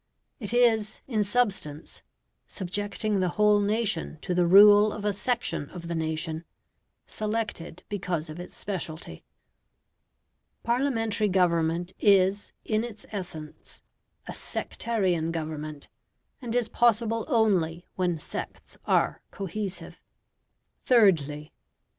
It is, in substance, subjecting the whole nation to the rule of a section of the nation, selected because of its speciality. Parliamentary government is, in its essence, a sectarian government, and is possible only when sects are cohesive. Thirdly.